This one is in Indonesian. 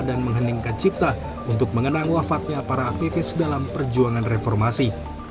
dan mengheningkan cipta untuk mengenang wafatnya para aktivis dalam perjuangan reformasi